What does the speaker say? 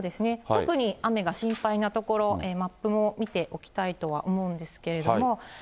特に、雨が心配な所、マップも見ておきたいとは思うんですけれども。